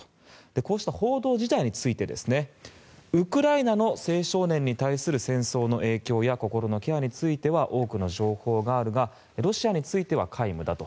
こうした報道自体についてウクライナの青少年に対する戦争の影響や心のケアについては多くの情報があるがロシアについては皆無だと。